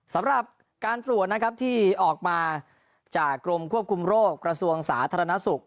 สำหรับการตรวจนะครับที่ออกมาจากกรมควบคุมโรคกระทรวงสาธารณสุข